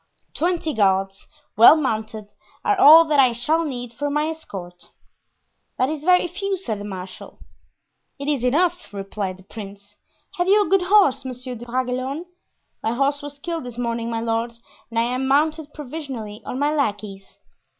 Twenty guards, well mounted, are all that I shall need for my escort." "That is very few," said the marshal. "It is enough," replied the prince. "Have you a good horse, Monsieur de Bragelonne?" "My horse was killed this morning, my lord, and I am mounted provisionally on my lackey's."